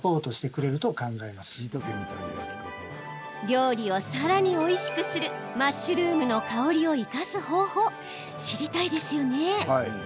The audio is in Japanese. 料理をさらにおいしくするマッシュルームの香りを生かす方法、知りたいですよね？